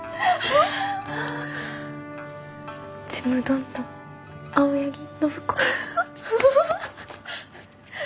「『ちむどんどん』」「青柳暢子」。